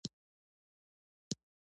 هیله د ځواک، قدرت او بریا مور او بنسټ ده.